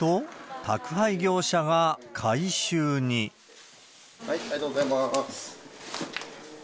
すると、ありがとうございます。